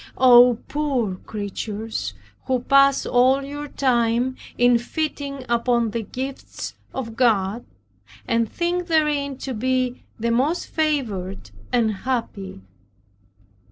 Oh, poor creatures, who pass all your time in feeding upon the gifts of God, and think therein to be the most favored and happy.